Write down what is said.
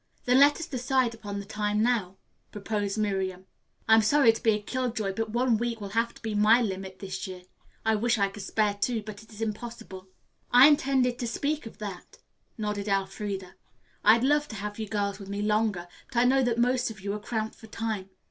"Then let us decide upon the time now," proposed Miriam. "I am sorry to be a kill joy, but one week will have to be my limit this year. I wish I could spare two, but it's impossible." "I intended to speak of that," nodded Elfreda. "I'd love to have you girls with me longer but I know that most of you are cramped for time.